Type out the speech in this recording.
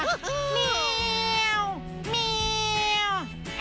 แมว